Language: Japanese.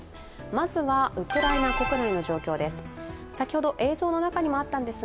まずは、ウクライナ国内の状況です